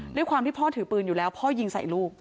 ด้วยความที่พ่อถือปืนอยู่แล้วพ่อยิงใส่ลูก